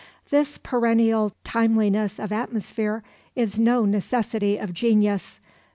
This perennial timeliness of atmosphere is no necessity of genius.